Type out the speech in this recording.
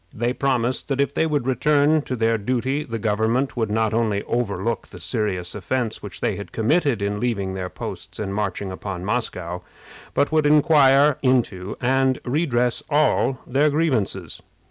They promised that if they would return to their duty the government would not only overlook the serious offense which they had committed in leaving their posts and marching upon Moscow, but would inquire into and redress all their grievances.